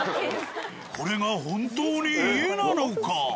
これが本当に家なのか。